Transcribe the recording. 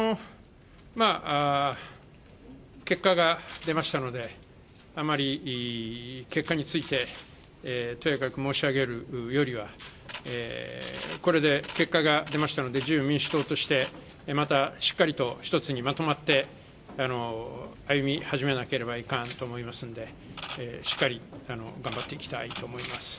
結果が出ましたので結果についてとやかく申し上げるよりはこれで結果が出ましたので、自由民主党としてまたしっかり、一つにまとまって歩み始めなきゃいかんと思いますのでしっかり頑張っていきたいと思います。